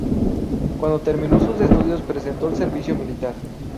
Cuando terminó sus estudios prestó el servicio militar.